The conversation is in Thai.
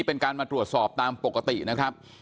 เป็นการมาตรวจสอบตามปกตินะครับ